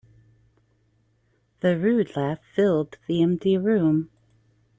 The rude laugh filled the empty room.